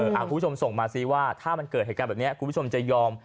คุณผู้ชมส่งมาซิว่าถ้ามันเกิดเหตุการณ์แบบนี้คุณผู้ชมจะยอม